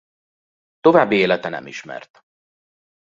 További élete nem ismert.